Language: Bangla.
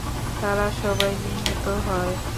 তারা সবাই নিহত হয়।